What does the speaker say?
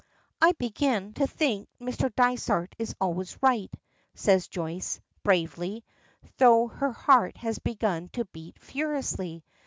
"I begin to think Mr. Dysart is always right," says Joyce, bravely, though her heart has begun to beat furiously.